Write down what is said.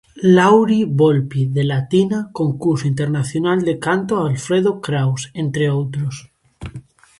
Lauri-Volpi de Latina, Concurso Internacional de canto Alfredo Kraus, entre outros.